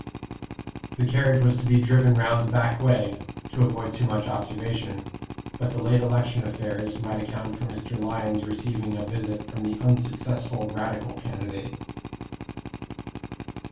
The carriage was to be driven round the back way, to avoid too much observation. But the late election affairs might account for Mr. Lyon's receiving a visit from the unsuccessful Radical candidate.